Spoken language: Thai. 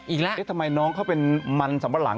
อีกแล้วทำไมน้องเขาเป็นมันสำบัดหลัง